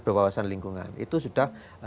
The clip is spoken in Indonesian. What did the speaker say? berwawasan lingkungan itu sudah